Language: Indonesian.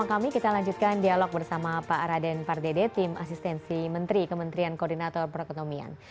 kami kita lanjutkan dialog bersama pak araden pardede tim asistensi menteri kementerian koordinator perekonomian